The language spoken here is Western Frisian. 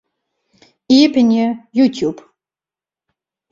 Iepenje YouTube.